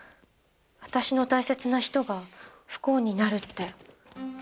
私の大切な人が不幸になるって。